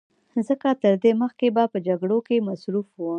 ځکه تر دې مخکې به په جګړو کې مصروف و